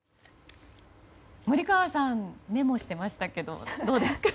森川さんメモしていましたけどどうですか。